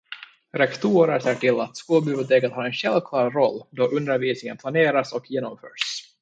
Rektorer ser till att skolbiblioteket har en självklar roll då undervisningen planeras och genomförs.